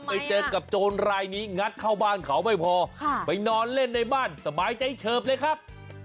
ไปเจอกับโจรรายนี้งัดเข้าบ้านเขาไม่พอไปนอนเล่นในบ้านสบายใจเฉิบเลยครับ